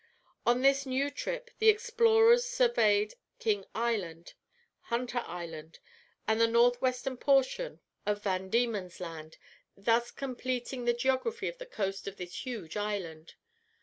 On this new trip the explorers surveyed King Island, Hunter Island, and the north western portion of Van Diemen's Land, thus completing the geography of the coast of this huge island.